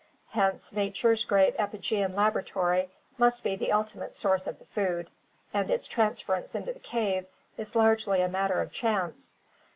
Hence Nature's great epigean labora tory must be the ultimate source of the food, and its transference into the cave is largely a matter of chance.